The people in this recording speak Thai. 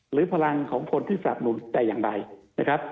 หรือพลังของคนที่สนับหนุนแต่อย่างใดนะครับ